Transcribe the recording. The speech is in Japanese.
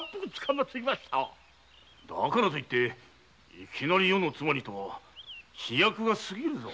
だからといっていきなり余の妻にとは飛躍が過ぎるぞ。